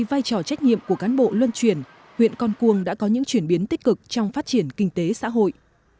tại trò trách nhiệm của cán bộ luân truyền huyện con cuông đã có những chuyển biến tích cực trong phát triển kinh tế xã hội